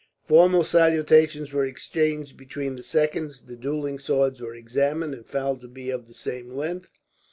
Formal salutations were exchanged between the seconds. The duelling swords were examined, and found to be of the same length.